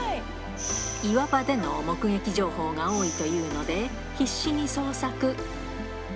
岩場での目撃情報が多いというので、必死に捜索。